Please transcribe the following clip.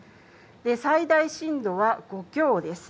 最大震度は５強です。